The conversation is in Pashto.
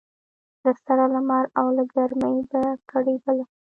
له سره لمر او له ګرمۍ به کړېدله